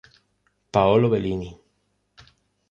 Paolo Bellini.